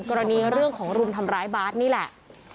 กรณีเรื่องของรุมทำร้ายบาสนี่แหละ